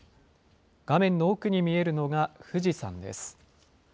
画面の奥に見えるのが、富士山です。